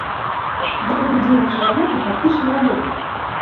Гэта быў дзейны чалавек і практычны работнік.